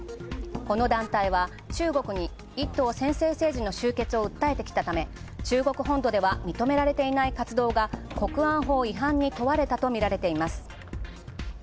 この団体は中国に一党専制政治を訴えてきたため、中国本土では認められていない活動が国安法違反に問われたとみられています。